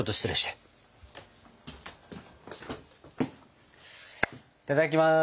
いただきます！